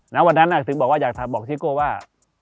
วันนั้นถึงบอกว่าอยากบอกซิโก้ว่า